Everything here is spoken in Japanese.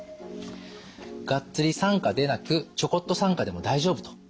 がっつり参加でなくちょこっと参加でも大丈夫と。